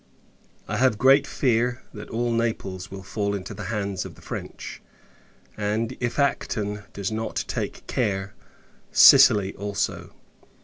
I have great fear, that all Naples will fall into the hands of the French; and, if Acton does not take care, Sicily also.